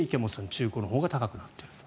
中古のほうが高くなっていると。